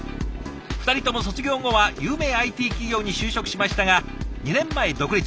２人とも卒業後は有名ＩＴ企業に就職しましたが２年前独立。